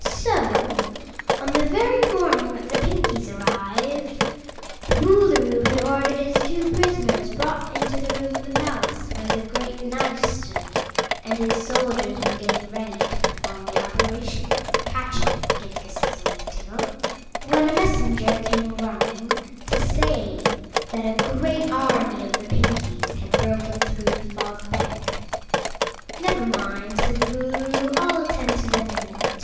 So, on the very morning that the Pinkies arrived, the Boolooroo had ordered his two prisoners brought into the room of the palace where the Great Knife stood and his soldiers were getting ready to perform the operation of patching Ghip Ghisizzle with Tiggle, when a messenger came running to say that a great army of the Pinkies had broken through the Fog Bank. "Never mind," said the Boolooroo, "I'll attend to them in a minute.